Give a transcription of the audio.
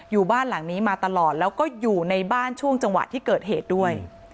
อยู่บ้านหลังนี้มาตลอดแล้วก็อยู่ในบ้านช่วงจังหวะที่เกิดเหตุด้วย